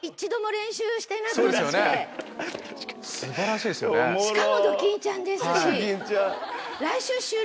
しかもドキンちゃんですし。